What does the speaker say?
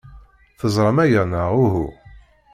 Teẓram aya, neɣ uhu?